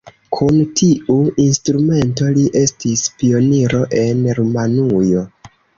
Kun tiu instrumento li estis pioniro en Rumanujo.